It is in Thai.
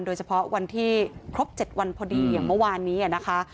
โดยเฉพาะวันที่ครบ๗วันพอดีอย่างเมื่อวานนี้นะคะ